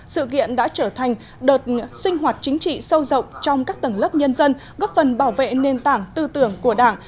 sự kiện đã trở thành đợt sinh hoạt chính trị sâu rộng trong các tầng lớp nhân dân góp phần bảo vệ nền tảng tư tưởng của đảng